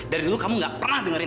dari dulu kamu gak pernah dengerin